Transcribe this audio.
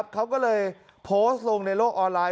เขาก็เลยโพสต์ลงในโลกออนไลน